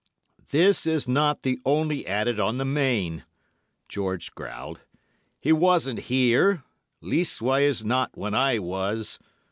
"'This is not the only adit on the main,' George growled. 'He wasn't here—leastways not when I was.